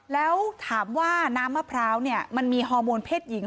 แล้วถามว่าน้ำมะพร้าวมันมีฮอร์โมนเพศหญิง